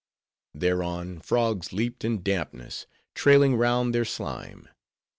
Thereon frogs leaped in dampness, trailing round their slime.